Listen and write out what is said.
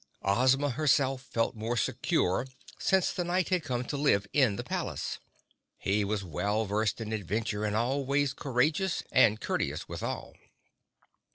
Ozma, herself, felt more secure since the Knight had come to live in the palace. He was well versed in adventure and always courageous and courteous, withal.